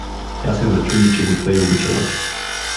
Тя се зачуди, че го тъй обичала!